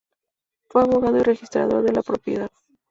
Fue abogado y registrador de la propiedad.